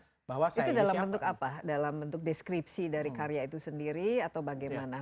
itu dalam bentuk apa dalam bentuk deskripsi dari karya itu sendiri atau bagaimana